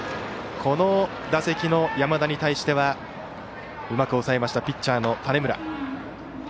この打席の山田に対してはうまく抑えましたピッチャーの種村。